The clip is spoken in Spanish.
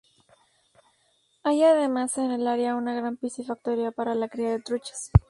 Hay además en el área una gran piscifactoría para la cría de truchas.